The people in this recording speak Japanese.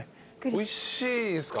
おいしいですか？